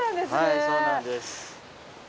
はいそうなんです。